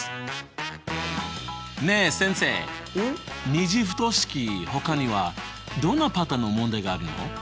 ２次不等式他にはどんなパターンの問題があるの？